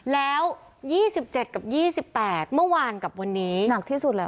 แล้วยี่สิบเจ็ดกับยี่สิบแปดเมื่อวานกับวันนี้หนักที่สุดแล้ว